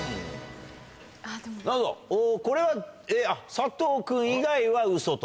なるほどこれは佐藤君以外はウソと。